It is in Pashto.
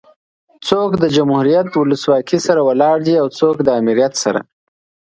څوک د جمهوريت ولسواکي سره ولاړ دي او څوک ده امريت سره